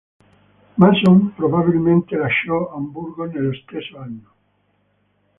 Masson probabilmente lasciò Amburgo nello stesso anno.